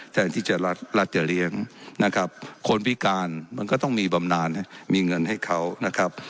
แทนที่จะรัฐจะเลี้ยงนะครับคนพิการมันก็ต้องมีบำนานมีเงินให้เขานะครับ